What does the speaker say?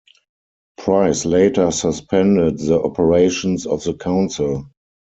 Price later suspended the operations of the Council.